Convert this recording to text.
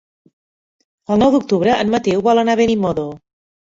El nou d'octubre en Mateu vol anar a Benimodo.